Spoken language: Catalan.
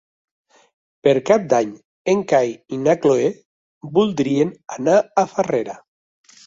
Per Cap d'Any en Cai i na Cloè voldrien anar a Farrera.